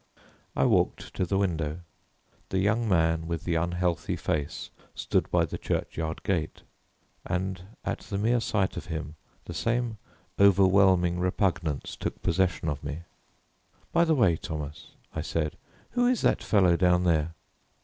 I walked to the window. The young man with the unhealthy face stood by the churchyard gate, and at the mere sight of him the same overwhelming repugnance took possession of me. "By the way, Thomas," I said, "who is that fellow down there?"